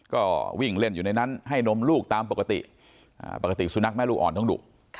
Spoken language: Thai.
ก็วิ่งเล่นอยู่ในนั้นให้นมลูกตามปกติปกติสุนัขแม่ลูกอ่อนต้องดุ